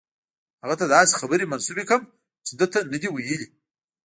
هغه ته داسې خبرې منسوبې کړم چې ده نه دي ویلي.